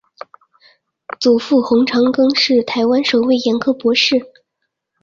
祖父洪长庚是台湾首位眼科博士。